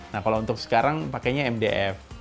nah kalau untuk sekarang pakainya mdf